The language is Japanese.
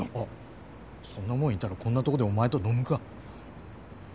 そんなもんいたらこんなとこでお前と飲むか！？